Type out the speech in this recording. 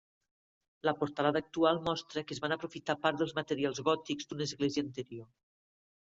La portalada actual mostra que es van aprofitar part dels materials gòtics d'una església anterior.